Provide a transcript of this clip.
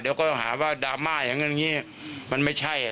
เดี๋ยวก็หาว่าดราม่าอย่างงี้มันไม่ใช่